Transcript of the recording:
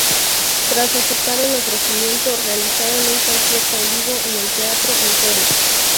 Tras aceptar el ofrecimiento, realizaron un concierto en vivo en el teatro Encore.